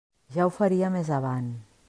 Ja ho faria més avant.